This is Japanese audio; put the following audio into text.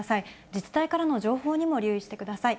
自治体からの情報にも留意してください。